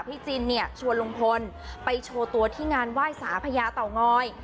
จินเนี่ยชวนลุงพลไปโชว์ตัวที่งานไหว้สาพญาเต่างอย